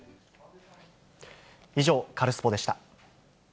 以上、カルスポっ！でした。